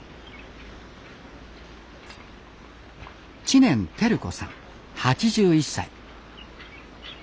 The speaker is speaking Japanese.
知念照子さん８１歳。